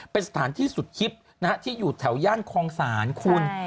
เป็นสถานที่สุดฮิตนะฮะที่อยู่แถวย่านคลองศาลคุณ